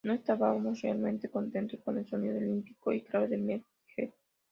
No estábamos realmente contento con el sonido limpio y claro de "Metal Heart".